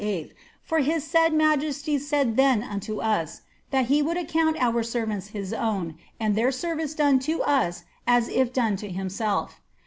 for that his said majesty said ben unto us, * that he would account our servants his own, and their service lone to us as if done to himself.'